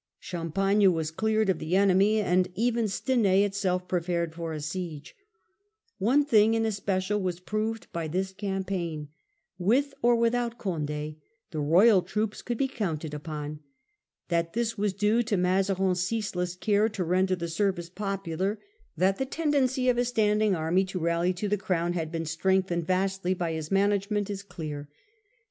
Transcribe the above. Champagne was cleared of the enemy, and even Stenai itself prepared for a siege. One thing Character * n es P ec * a ^ was P rove ^ by this campaign. With of the royal or without Cond£, the royal troops could be army * counted upon. That this was due to Mazarin's ceaseless care to render the service popular, that the tendency of a standing army to rally to the Crown had been strengthened vastly by his management, is clear. He i6s& What Mazarin had accomplished.